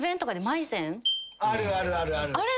あるあるあるある。